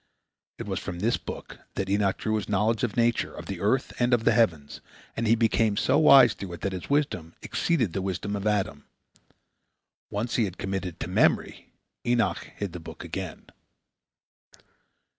It was from this book that Enoch drew his knowledge of nature, of the earth and of the heavens, and he became so wise through it that his wisdom exceeded the wisdom of Adam. Once he had committed it to memory, Enoch hid the book again.